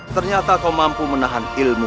ternyata kau mampu menahan ilmu